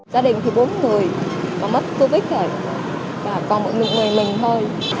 gia đình thì bốn người mà mất covid rồi cả một người mình thôi